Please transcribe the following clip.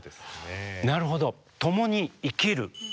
なるほど。